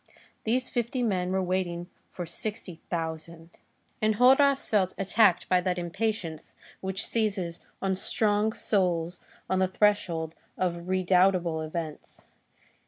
These fifty men were waiting for sixty thousand. Enjolras felt attacked by that impatience which seizes on strong souls on the threshold of redoubtable events.